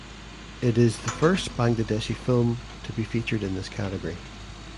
It is the first Bangladeshi film to be featured in this category.